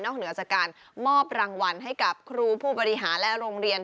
เหนือจากการมอบรางวัลให้กับครูผู้บริหารและโรงเรียน